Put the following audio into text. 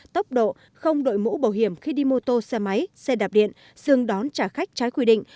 tốc độ không đội mũ bảo hiểm khi đi mô tô xe máy xe đạp điện dừng đón trả khách trái quy định